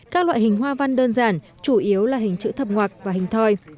các loại hình hoa văn đơn giản chủ yếu là hình chữ thập ngoạc và hình thoi